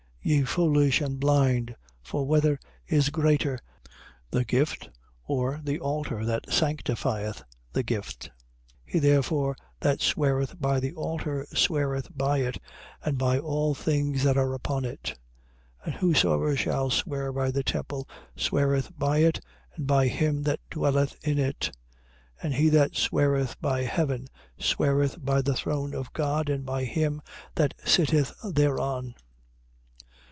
23:19. Ye foolish and blind: for whether is greater, the gift or the altar that sanctifieth the gift? 23:20. He therefore that sweareth by the altar sweareth by it and by all things that are upon it. 23:21. And whosoever shall swear by the temple sweareth by it and by him that dwelleth in it. 23:22. And he that sweareth by heaven sweareth by the throne of God and by him that sitteth thereon.